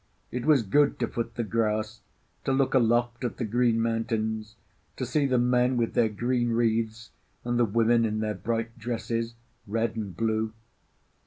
It was good to foot the grass, to look aloft at the green mountains, to see the men with their green wreaths and the women in their bright dresses, red and blue.